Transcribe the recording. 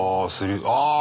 ああ。